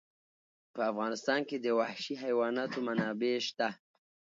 په افغانستان کې د وحشي حیواناتو منابع شته.